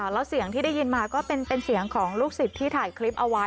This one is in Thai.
แล้วเสียงที่ได้ยินมาก็เป็นเสียงของลูกศิษย์ที่ถ่ายคลิปเอาไว้